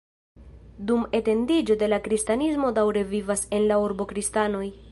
Dum etendiĝo de la kristanismo daŭre vivas en la urbo kristanoj.